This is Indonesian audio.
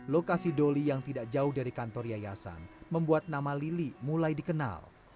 lokasi doli yang tidak jauh dari kantor yayasan membuat nama lili mulai dikenal